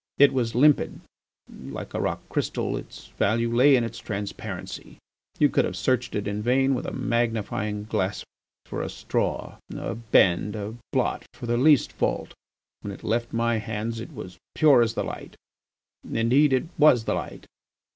It was limpid; like a rock crystal its value lay in its transparency. You could have searched it in vain with a magnifying glass for a straw, a bend, a blot, for the least fault. When it left my hands it was as pure as the light. Indeed it was the light.